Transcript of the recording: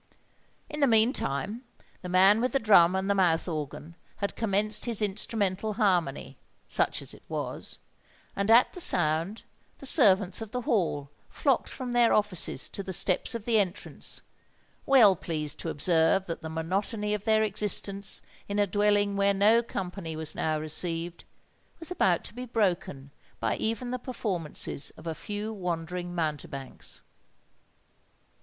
In the meantime the man with the drum and the mouth organ had commenced his instrumental harmony, such as it was; and, at the sound, the servants of the Hall flocked from their offices to the steps of the entrance, well pleased to observe that the monotony of their existence in a dwelling where no company was now received, was about to be broken by even the performances of a few wandering mountebanks.